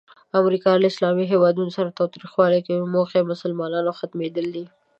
امریکا له اسلامي هیوادونو سره تاوتریخوالی کوي، موخه یې د مسلمانانو ختمول دي.